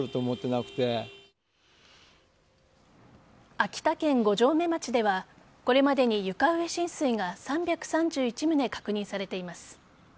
秋田県五城目町ではこれまでに床上浸水が３３１棟、確認されています。